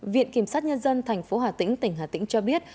viện kiểm sát nhân dân thành phố hà tĩnh tỉnh hà tĩnh cho biết